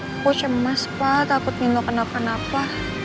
aku cemas pak takut nino kenalkan apa